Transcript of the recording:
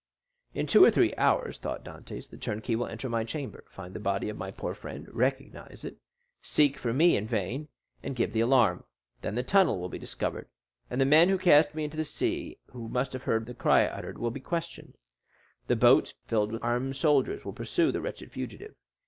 "In two or three hours," thought Dantès, "the turnkey will enter my chamber, find the body of my poor friend, recognize it, seek for me in vain, and give the alarm. Then the tunnel will be discovered; the men who cast me into the sea and who must have heard the cry I uttered, will be questioned. Then boats filled with armed soldiers will pursue the wretched fugitive.